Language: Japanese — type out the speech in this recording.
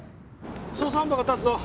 捜査本部が立つぞ。